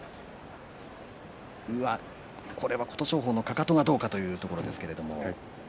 これは琴勝峰のかかとがどうかということですね。